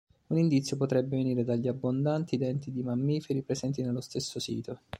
Un indizio potrebbe venire dagli abbondanti denti di mammiferi presenti nello stesso sito.